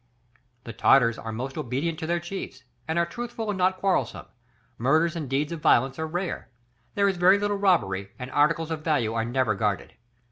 "The Tartars are most obedient to their chiefs, and are truthful and not quarrelsome; murders and deeds of violence are rare, there is very little robbery, and articles of value are never guarded.